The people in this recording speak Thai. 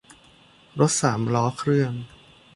รถสามล้อเครื่อง